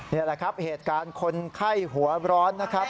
นี่แหละครับเหตุการณ์คนไข้หัวร้อนนะครับ